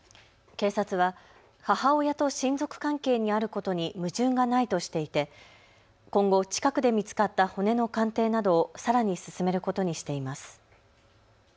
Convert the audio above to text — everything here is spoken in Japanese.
警察は母親と親族関係にあることに矛盾がないとしていて今後、近くで見つかった骨の鑑定などをさらに進めることにしています。